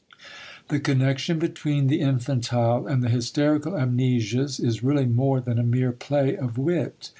The connection between the infantile and the hysterical amnesias is really more than a mere play of wit.